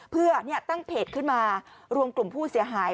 เพื่อตั้งเพจขึ้นมารวมกลุ่มผู้เสียหาย